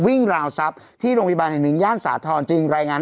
ราวทรัพย์ที่โรงพยาบาลแห่งหนึ่งย่านสาธรณ์จึงรายงาน